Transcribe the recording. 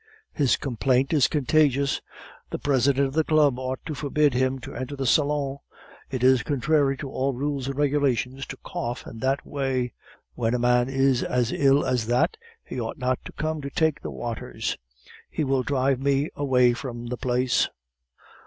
"His complaint is contagious." "The president of the Club ought to forbid him to enter the salon." "It is contrary to all rules and regulations to cough in that way!" "When a man is as ill as that, he ought not to come to take the waters " "He will drive me away from the place."